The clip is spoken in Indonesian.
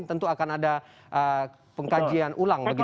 tentu akan ada pengkajian ulang begitu ya